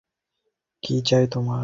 কী চাই তোমার?